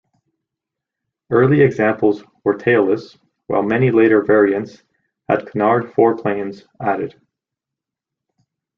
Early examples were tailless, while many later variants had canard foreplanes added.